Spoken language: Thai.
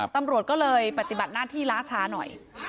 ตำรวจก็เลยปฏิบัติหน้าที่ล้าชาหน่อย